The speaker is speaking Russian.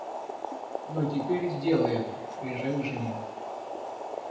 Но теперь, сделай это, приезжай к жене.